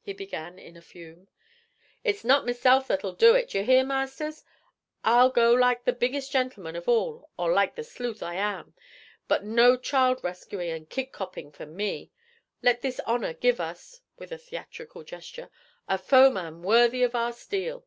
he began, in a fume. 'It's not meself that'll do it; d'ye hear, Masters? I'll go like the biggest gentleman of all, or like the sleuth I am, but no child rescuing and kid copping for me! Let his honour give us,' with a theatrical gesture, 'a foeman worthy of our steel.'